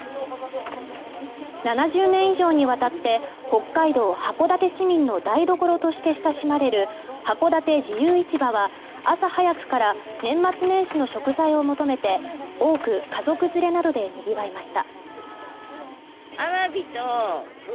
７０年以上にわたって北海道函館市民の台所として親しまれるはこだて自由市場は朝早くから年末年始の食材を求めて多く家族連れなどでにぎわいました。